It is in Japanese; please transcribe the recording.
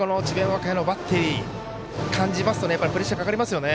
和歌山のバッテリーからしますとプレッシャーかかりますよね。